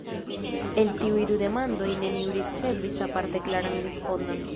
El tiuj du demandoj neniu ricevis aparte klaran respondon.